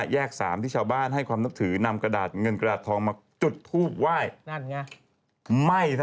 แยก๓ที่ชาวบ้านให้ความนับถือนำเงินกระดาษทองมาจุดทูบไหว